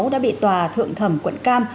đã bị tòa thượng thẩm quận cam